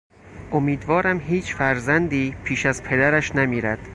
امیدوارم هیچ فرزندی پیش از پدرش نمیرد.